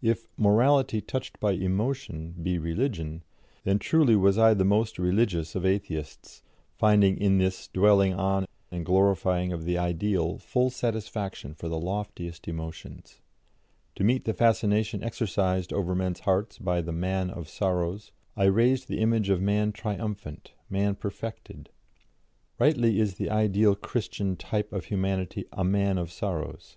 If "morality touched by emotion" be religion, then truly was I the most religious of Atheists, finding in this dwelling on and glorifying of the Ideal full satisfaction for the loftiest emotions. To meet the fascination exercised over men's hearts by the Man of Sorrows, I raised the image of man triumphant, man perfected. "Rightly is the ideal Christian type of humanity a Man of Sorrows.